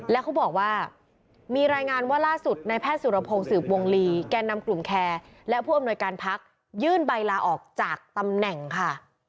แล้วเขาบอกว่ามีรายงานว่าล่าสุดในแพทย์สุรพงศ์สืบวงลีแก่นำกลุ่มแคร์และผู้อำนวยการพักยื่นใบลาออกจากตำแหน่งค่ะ